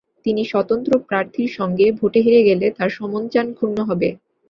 তিনি স্বতন্ত্র প্রার্থীর সঙ্গে ভোটে হেরে গেলে তাঁর সমঞ্চান ক্ষুণ্ন হবে।